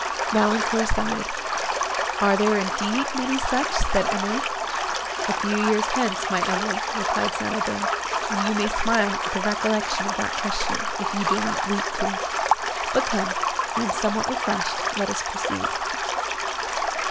Valancourt sighed. "Are there, indeed, many such?" said Emily. "A few years hence, my Emily," replied St. Aubert, "and you may smile at the recollection of that question—if you do not weep to it. But come, I am somewhat refreshed, let us proceed."